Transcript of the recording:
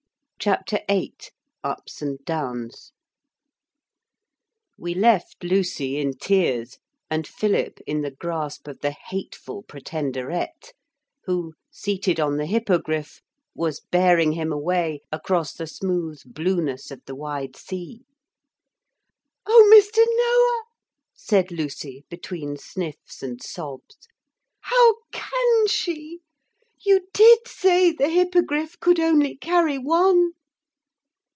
CHAPTER VIII UPS AND DOWNS We left Lucy in tears and Philip in the grasp of the hateful Pretenderette, who, seated on the Hippogriff, was bearing him away across the smooth blueness of the wide sea. 'Oh, Mr. Noah,' said Lucy, between sniffs and sobs, 'how can she! You did say the Hippogriff could only carry one!'